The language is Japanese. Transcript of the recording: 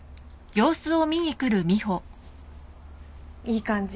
いい感じ。